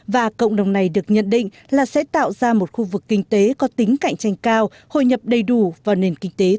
và cộng đồng này được nhận định là sẽ tạo ra một cộng đồng kinh tế